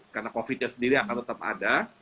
karena covid nya sendiri akan tetap ada